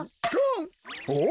おっ？